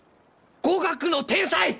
語学の天才！